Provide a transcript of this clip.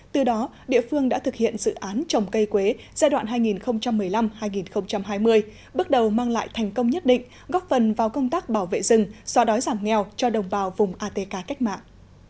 từ đó địa phương đã thực hiện dự án trồng cây quế giai đoạn hai nghìn một mươi năm hai nghìn hai mươi bước đầu mang lại thành công nhất định góp phần vào công tác bảo vệ rừng do đói giảm nghèo cho đồng bào vùng atk cách mạng